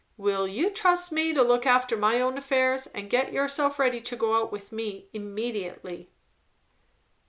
"Will you trust me to look after my own affairs? And get yourself ready to go out with me immediately."